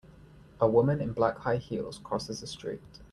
A woman in black high heels crosses a street.